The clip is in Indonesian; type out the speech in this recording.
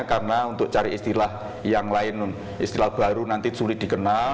karena untuk cari istilah yang lain istilah baru nanti sulit dikenal